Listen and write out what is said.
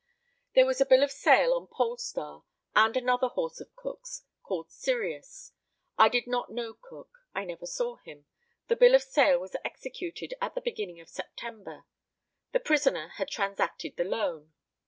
There was a bill of sale on Polestar and another horse of Cook's, called Sirius. I did not know Cook. I never saw him. The bill of sale was executed at the beginning of September. The prisoner had transacted the loan.